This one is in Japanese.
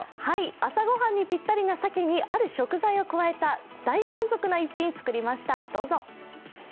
朝ご飯にぴったりな鮭にある食材を加えた大満足な一品、作りましたどうぞ。